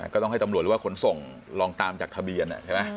ก็ต้องให้ตำรวจหรือว่าขนสงศ์ลองตามจากทะเบียน